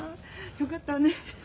よかったわね。